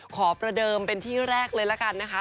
ขอประเดิมเป็นที่แรกเลยละกันนะคะ